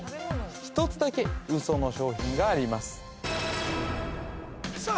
１つだけウソの商品がありますさあ